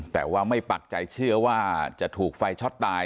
แต่ว่าไม่ปักใจเชื่อว่าจะถูกไฟช็อตตาย